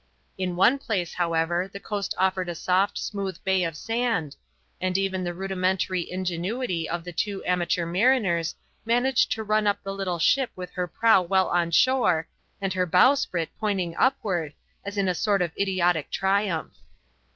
In one place, however, the coast offered a soft, smooth bay of sand, and even the rudimentary ingenuity of the two amateur mariners managed to run up the little ship with her prow well on shore and her bowsprit pointing upward, as in a sort of idiotic triumph.